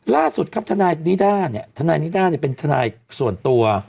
ล่าสุดครับทนายนิด้าเนี่ยทนายนิด้าเนี่ยเป็นทนายส่วนตัว